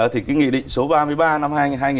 thì cái nghị định số ba mươi ba năm hai nghìn một mươi bảy